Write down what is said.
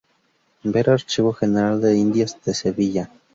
Ver Archivo General de Indias de Sevilla.